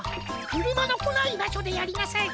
くるまのこないばしょでやりなさい。